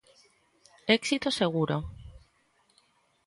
Éxito seguro.